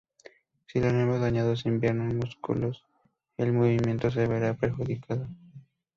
Si los nervios dañados inervan músculos, el movimiento se verá perjudicado.